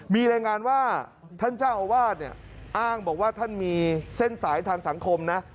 มีรายงานว่าท่านเจ้าอาวาสเนี่ยอ้างบอกว่าท่านมีเส้นสายทางสังคมนะ